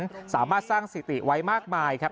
สะเริมแสนสามารถสร้างสิติไว้มากมายครับ